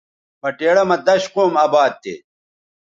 بٹیڑہ مہ دش قوم اباد تھے